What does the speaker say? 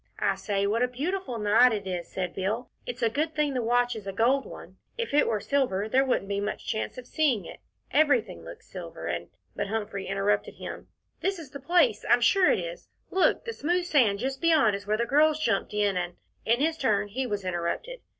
"I say, what a beautiful night it is," said Bill. "It's a good thing the watch is a gold one; if it were silver there wouldn't be much chance of seeing it everything looks silver, and " But Humphrey interrupted him. "This is the place I'm sure it is look, the smooth sand just beyond is where the girls jumped in, and " In his turn he was interrupted.